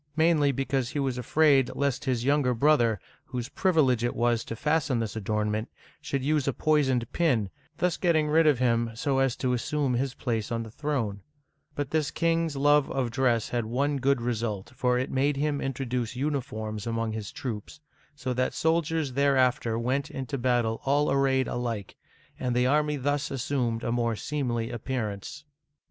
mainly because he was afraid lest his younger brother, whose privilege it was to fasten this adornment, should use a poisoned pin, thus getting rid of Painting by Leon. Henry HI. and his Pets. Digitized by Google 270 OLD FRANCE him so as to assume his place on the throne. But this king's love of dress had one good result, for it made him introduce uniforms among his troops, so that soldiers there after went into battle all arrayed alike, and the army thus assumed a more seemly appearance.